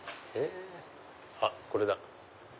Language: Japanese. あっこれだ。